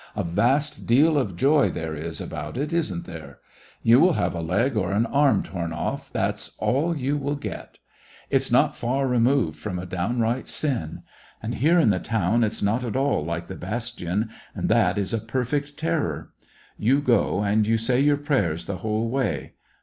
A vast deal of joy there is about it, isn't there } You will have a leg or an arm torn off, and that's all you will get ! It's not far removed from a downright sin ! And here in the town it's not at all like the bastion, and that is a perfect terror. You go and you say your prayers the whole way.